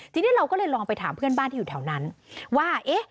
ทีนี้เราก็เลยลองไปถามเพื่อนบ้านที่อยู่แถวนั้นว่าเอ๊ะ